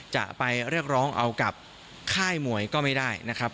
จะไปเรียกร้องเอากับค่ายมวยก็ไม่ได้นะครับ